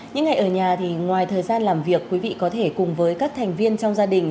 những ngày ở nhà thì ngoài thời gian làm việc quý vị có thể cùng với các thành viên trong gia đình